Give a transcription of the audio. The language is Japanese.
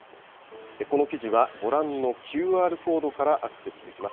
この記事はご覧のＱＲコードからアクセスできます。